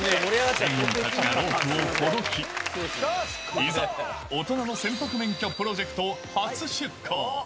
船員たちがロープをほどき、いざ、大人の船舶免許プロジェクト初出航。